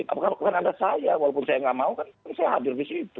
tapi kan ada saya walaupun saya tidak mau saya hadir di situ